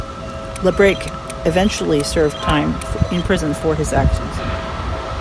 LaBrake eventually served time in prison for his actions.